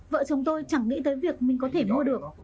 vợ chồng tôi chẳng nghĩ tới việc mình có thể mua được